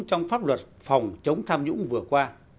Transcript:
trong pháp luật phòng chống tham nhũng vừa qua